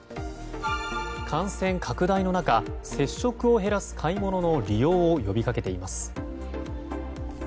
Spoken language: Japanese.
感染拡大の中接触を減らす買い物の利用を呼びかけています。